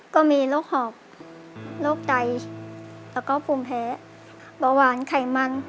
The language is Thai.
ก็มีโรคหอบโรคไตแล้วก็ภูมิแพ้เบาหวานไขมัน